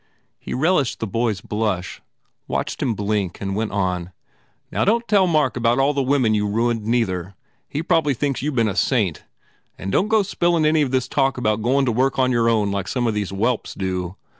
He relished the boy s blush, watched him blink and went on, "Now, don t tell Mark about all the women you ruined, neither. He prob ly thinks you been a saint. And don t go spillin any of this talk about goin to work on your own like some of these whelps do.